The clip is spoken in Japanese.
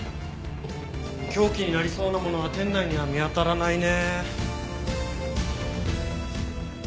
凶器になりそうな物は店内には見当たらないね。